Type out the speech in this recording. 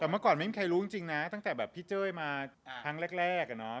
แต่เมื่อก่อนไม่มีใครรู้จริงนะตั้งแต่แบบพี่เจ้ยมาครั้งแรกอะเนาะ